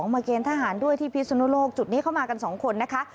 มาเกณฑ์ทหารด้วยที่พิศนุโลกจุดนี้เข้ามากันสองคนนะคะ